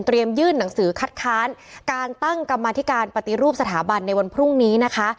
ยื่นหนังสือคัดค้านการตั้งกรรมธิการปฏิรูปสถาบันในวันพรุ่งนี้นะคะ